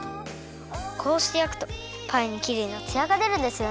こうしてやくとパイにきれいなつやがでるんですよね。